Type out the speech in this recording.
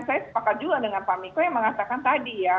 saya sepakat juga dengan pak miko yang mengatakan tadi ya